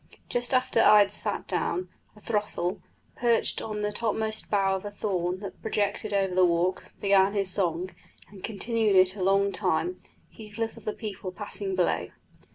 Just after I had sat down, a throstle, perched on the topmost bough of a thorn that projected over the walk, began his song, and continued it a long time, heedless of the people passing below.